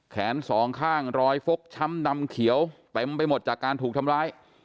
แขนสองข้างรอยฟกช้ำดำเขียวเต็มไปหมดจากการถูกทำร้าย